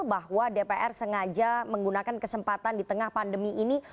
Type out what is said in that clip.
bahwa dpr sengaja menggunakan kesempatan di tengah pandemi ini